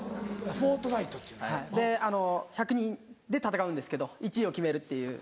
１００人で戦うんですけど１位を決めるっていう。